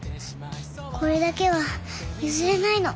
これだけは譲れないの。